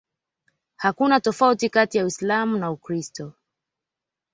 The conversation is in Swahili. Hakuna tofauti kati ya Uislam na Ukristo